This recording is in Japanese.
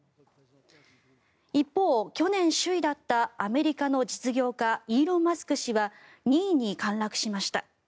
一方、去年首位だったアメリカの実業家イーロン・マスク氏は２位に陥落しました。